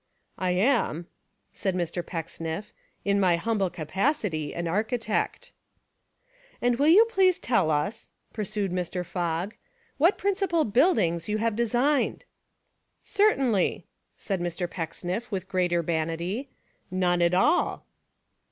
"I am," said Mr. Pecksniff, "in my humble capacity an architect." 221 Essays and Literary Studies "And will you please tell us," pursued Mr. Fogg, "what principal buildings you have designed?" "Certainly," said Mr. Pecksniff with great urbanity, "none at all."